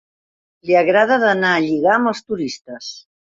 Li agrada d'anar a lligar amb els turistes.